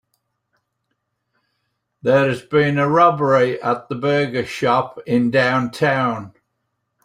There has been a robbery at the burger shop in downtown.